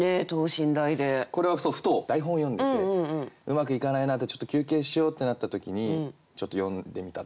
これはふと台本を読んでてうまくいかないなちょっと休憩しようってなった時にちょっと詠んでみた。